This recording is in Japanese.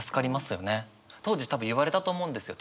当時多分言われたと思うんですよ